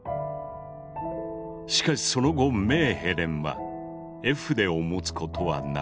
しかしその後メーヘレンは絵筆を持つことはなかった。